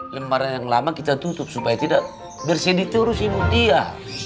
lembaran yang lama kita tutup supaya tidak bersih diterus ibu dia